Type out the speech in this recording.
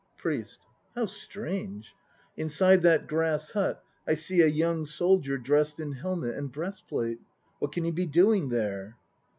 PRIEST. How strange! Inside that grass hut I see a young soldier dressed in helmet and breastplate. What can he be doing there?